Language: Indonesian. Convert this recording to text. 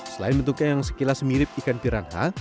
selain bentuknya yang sekilas mirip ikan piranha